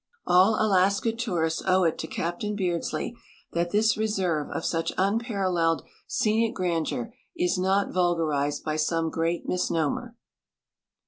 All ^Alaska tourists owe it to Captain Beardslee that this reserve of such uni)aralleled scenic grandeur is not vulgarized by some great misnomer.